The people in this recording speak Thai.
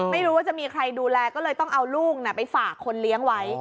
ไม่รู้ว่าจะมีใครดูแลก็เลยต้องเอาลูกไปฝากคนเลี้ยงไว้